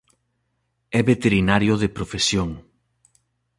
É veterinario de profesión.